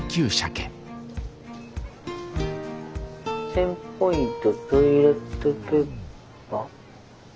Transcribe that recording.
１，０００ポイントトイレットペーパー。